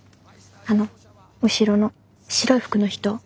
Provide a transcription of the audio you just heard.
あの後ろの白い服の人。